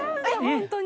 本当に。